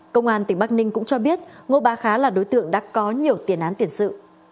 công an tỉnh bắc ninh cũng cho biết ngô ba khá là đối tượng đã có nhiều tiền án tiền sự